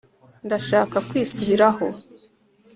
ndashaka kwisubiraho